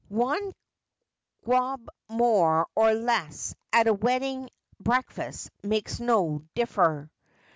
Wan gob more or less at a weddin' breakfast makes no differ.